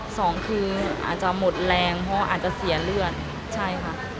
สองคืออาจจะหมดแรงเพราะอาจจะเสียเลือดใช่ค่ะ